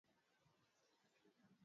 Kila muntu niwa maana kwabo na kubengine